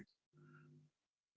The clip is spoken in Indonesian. mengosongkan tampungan dan penyambungan